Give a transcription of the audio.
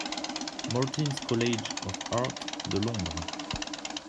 Martin's College of Art de Londres.